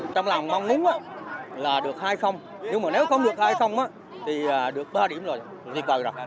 trong lòng mong muốn là được hai nhưng mà nếu không được hai thì được ba điểm rồi